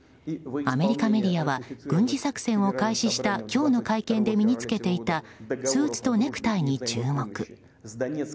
アメリカメディアは軍事作戦を開始した今日の会見で身に着けていたスーツとネクタイに注目。